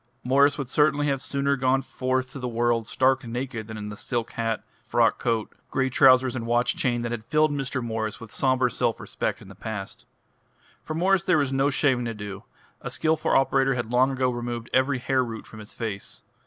Mwres would certainly have sooner gone forth to the world stark naked than in the silk hat, frock coat, grey trousers and watch chain that had filled Mr. Morris with sombre self respect in the past. For Mwres there was no shaving to do: a skilful operator had long ago removed every hair root from his face.